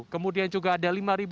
empat ribu kemudian juga ada lima ribu